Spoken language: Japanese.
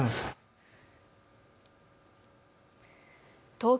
東京